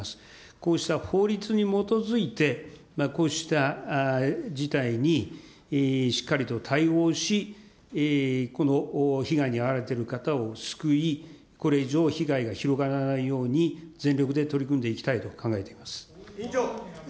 こうした法律に基づいて、こうした事態にしっかりと対応し、この被害に遭われてる方を救い、これ以上、被害が広がらないように全力で取り組んでいきたいと考えています。